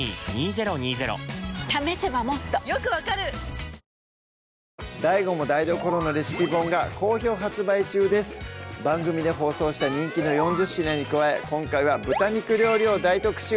非常にきれいに切れますＤＡＩＧＯも台所のレシピ本が好評発番組で放送した人気の４０品に加え今回は豚肉料理を大特集